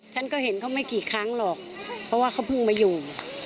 ฉันก็เห็นเขาไม่กี่ครั้งหรอกเพราะว่าเขาเพิ่งมาอยู่